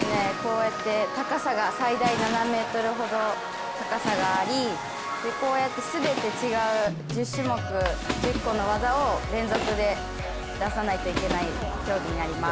高さが最大７ｍほど高さがありこうやって全て違う１０個の技を連続で出さないといけない競技になります。